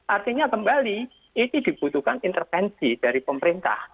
artinya kembali ini dibutuhkan intervensi dari pemerintah